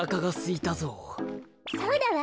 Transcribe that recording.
そうだわ。